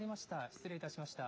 失礼いたしました。